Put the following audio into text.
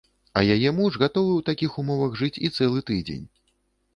А яе муж гатовы ў такіх умовах жыць і цэлы тыдзень.